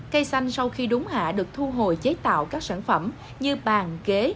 cây xanh sau khi đúng hạ được thu hồi chế tạo các sản phẩm như bàn ghế